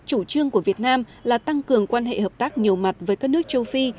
chủ trương của việt nam là tăng cường quan hệ hợp tác nhiều mặt với các nước châu phi